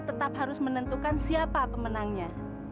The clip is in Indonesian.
tetap harus menentukan siapa pemenangnya